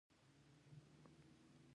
شمالي اړخ ته کوز شو، شا ته مې وکتل.